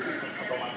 pak jadi penologinya